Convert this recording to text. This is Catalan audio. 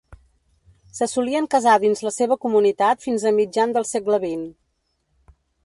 Se solien casar dins la seva comunitat fins a mitjan del segle XX.